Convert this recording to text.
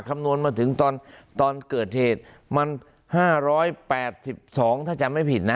คำนวณมาถึงตอนเกิดเหตุมัน๕๘๒ถ้าจำไม่ผิดนะ